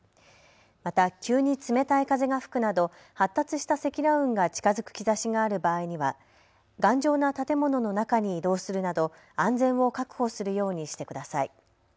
また急に冷たい風が吹くなど発達した積乱雲が近づく兆しがある場合には頑丈な建物の中に移動するなど安全を確保するようにしてください。